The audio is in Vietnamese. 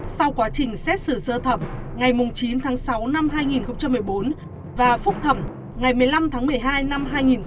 sau quá trình xét xử sơ thẩm ngày chín tháng sáu năm hai nghìn một mươi bốn và phúc thẩm ngày một mươi năm tháng một mươi hai năm hai nghìn một mươi bảy